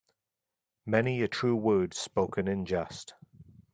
Many a true word spoken in jest.